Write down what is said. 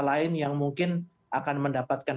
lain yang mungkin akan mendapatkan